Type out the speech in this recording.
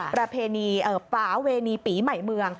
ประเพณีป่าเวณีปีใหม่เมือง